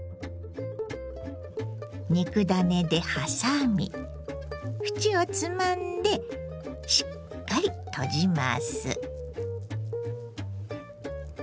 肉ダネで挟み縁をつまんでしっかり閉じます。